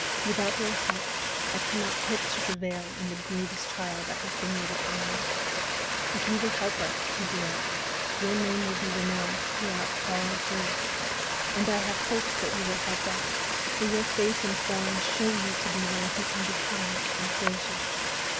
Without your help I cannot hope to prevail in the grievous trial that has been laid upon me. If you will help us, Medea, your name will be renowned throughout all Greece. And I have hopes that you will help us, for your face and form show you to be one who can be kind and gracious."